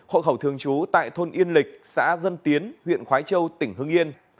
hộ khẩu thường trú tại thôn yên lịch xã dân tiến huyện khói châu tỉnh hưng yên